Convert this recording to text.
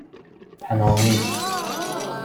پنامید